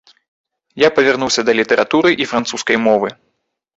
Я павярнуўся да літаратуры і французскай мовы.